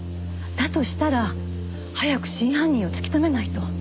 だとしたら早く真犯人を突き止めないと。